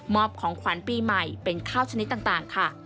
อบของขวัญปีใหม่เป็นข้าวชนิดต่างค่ะ